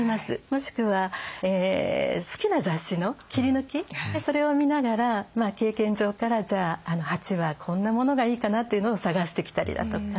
もしくは好きな雑誌の切り抜きそれを見ながら経験上から鉢はこんなものがいいかなというのを探してきたりだとか。